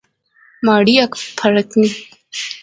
مہاڑی اکھ پھرکنی